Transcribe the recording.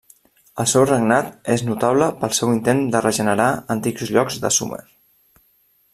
El seu regnat és notable pel seu intent de regenerar antics llocs de Sumer.